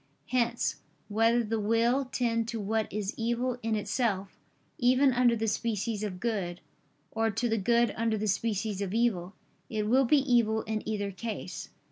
Hence, whether the will tend to what is evil in itself, even under the species of good; or to the good under the species of evil, it will be evil in either case.